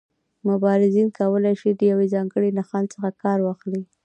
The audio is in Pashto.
مبارزین کولای شي له یو ځانګړي نښان څخه کار واخلي.